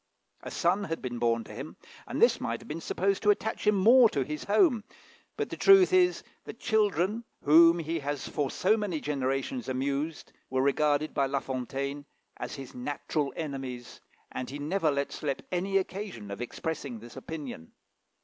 A son had been born to him, and this might have been supposed to attach him to his home; but the truth is, that children, whom he has for so many generations amused, were regarded by La Fontaine as his natural enemies, and he never let slip any occasion of expressing this opinion.